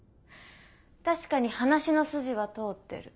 確かに話の筋は通ってる。